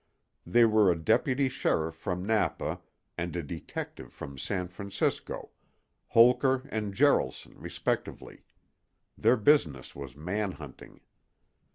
They were a deputy sheriff from Napa and a detective from San Francisco—Holker and Jaralson, respectively. Their business was man hunting.